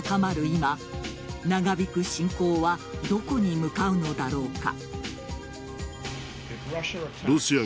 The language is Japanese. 今長引く侵攻はどこに向かうのだろうか。